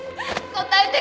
答えて